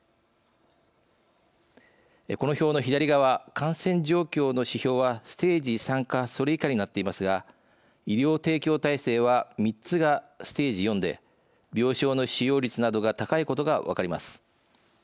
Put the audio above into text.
この表の左側、感染状況の指標はステージ３かそれ以下になっていますが医療提供体制は３つがステージ４で病床の使用率などが高いことが分かります。